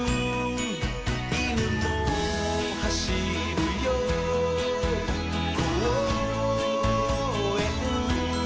「いぬもはしるよこうえん」